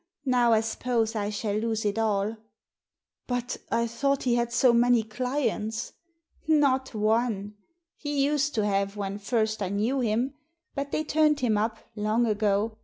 Now, I suppose, I shall lose it all" " But I thought he had so many clients ?" "Not one. He used to have when first I knew him, but they turned him up — long ago!